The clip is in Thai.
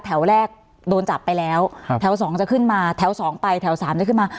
แถวแรกโดนจับไปแล้วแถวสองจะขึ้นมาแถวสองไปแถวสามจะขึ้นมา